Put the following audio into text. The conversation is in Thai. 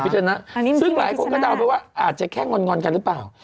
ซึ่งหลายคนก็เดาไปว่าอาจจะแค่งอนกันหรือเปล่า